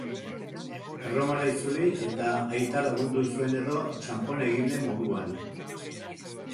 Erromara itzuli eta aita lagundu zuen edo txanpon-egile moduan.